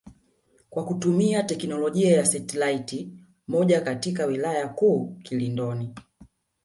kwa kutumia teknolojia ya setilaiti moja katika wilaya kuu Kilindoni